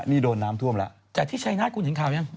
นี่โดนน้ำท่วมแล้วแต่ที่ชัยนาธิคุณเห็นข่าวยัง